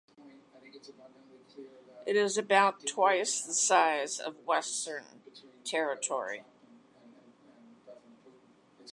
It is about twice the size of the western Territory.